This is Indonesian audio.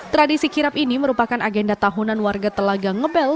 tradisi kirap ini merupakan agenda tahunan warga telaga ngebel